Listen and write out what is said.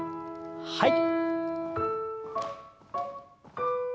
はい。